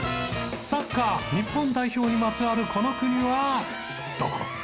サッカー日本代表にまつわるこの国はどこ？